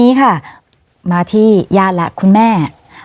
ทีนี้มาที่ญาติและคุณแม่